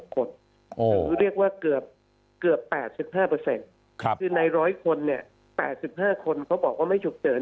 คือเรียกว่าเกือบ๘๕คือใน๑๐๐คน๘๕คนเขาบอกว่าไม่ฉุกเฉิน